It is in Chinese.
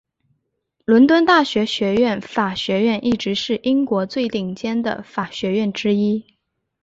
伦敦大学学院法学院一直是英国最顶尖的法学院之一。